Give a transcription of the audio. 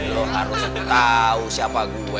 lo harus tahu siapa gue